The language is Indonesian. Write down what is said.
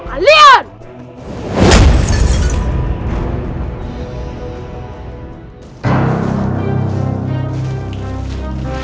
itu dia orangnya raden